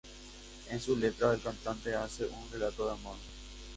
En su letra el cantante hace un relato de amor.